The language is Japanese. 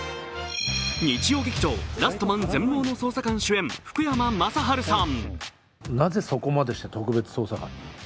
日曜劇場「ラストマン−全盲の捜査官−」主演、福山雅治さん。